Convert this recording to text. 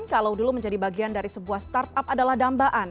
kalau dulu menjadi bagian dari sebuah startup adalah dambaan